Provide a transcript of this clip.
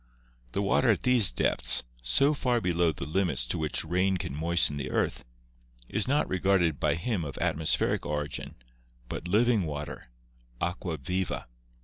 The water at these depths, so far below the limits to which rain can moisten the earth, is not regarded by him as of atmospheric origin, but living water (aqua •viva).